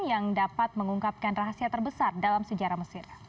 yang dapat mengungkapkan rahasia terbesar dalam sejarah mesir